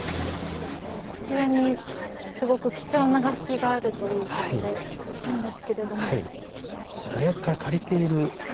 こちらにすごく貴重な楽器があるということで来たんですけれども。